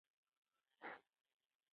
اضافي توکي له بدن څخه باسي.